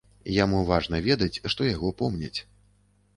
Яму важна ведаць, што яго помняць.